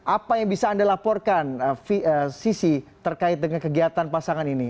apa yang bisa anda laporkan sisi terkait dengan kegiatan pasangan ini